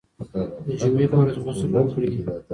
د جمعې په ورځ غسل وکړئ.